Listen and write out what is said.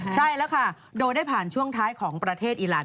ใช่แล้วค่ะโดยได้ผ่านช่วงท้ายของประเทศอีหลาน